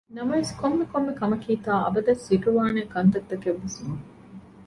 ނަމަވެސް ކޮންމެ ކޮންމެ ކަމަކީ ތާ އަބަދަށް ސިއްރުވާނޭ ކަންތައް ތަކެއް ވެސް ނޫން